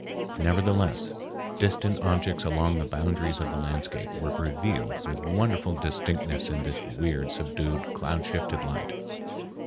Nevertheless, distant objects along the boundaries of the landscape were revealed with wonderful distinctness in this weird, subdued, cloud sifted light.